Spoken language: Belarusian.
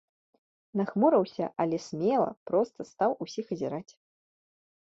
Нахмурыўся, але смела, проста стаў усіх азіраць.